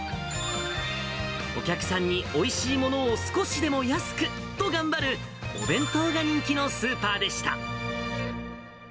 お客さんにおいしいものを少しでも安くと頑張るお弁当が人気のスーパーでした。